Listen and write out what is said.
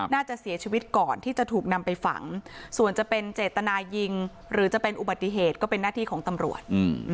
น่าจะเสียชีวิตก่อนที่จะถูกนำไปฝังส่วนจะเป็นเจตนายิงหรือจะเป็นอุบัติเหตุก็เป็นหน้าที่ของตำรวจ